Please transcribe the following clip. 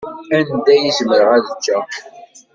Anda i zemreɣ ad ččeɣ?